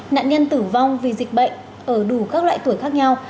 nạn nhân tử vong vì dịch bệnh ở đủ các loại tuổi khác nhau